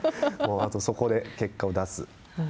あとは、そこで結果を出す。